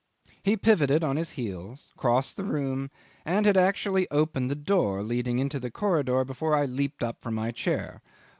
'He pivoted on his heels, crossed the room, and had actually opened the door leading into the corridor before I leaped up from my chair.